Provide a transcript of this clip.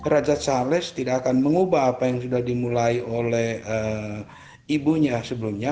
raja charles tidak akan mengubah apa yang sudah dimulai oleh ibunya sebelumnya